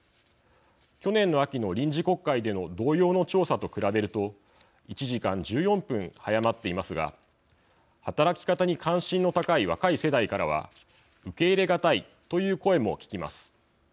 去年の秋の臨時国会での同様の調査と比べると１時間１４分早まっていますが働き方に関心の高い若い世代からは、受け入れがたいという声も聞きます。